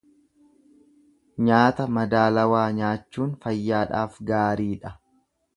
Nyaata madaalawaa nyaachuun fayyaadhaaf gaariidha.